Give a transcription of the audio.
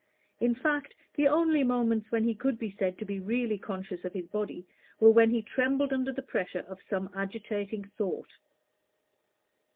In fact, the only moments when he could be said to be really conscious of his body, were when he trembled under the pressure of some agitating thought.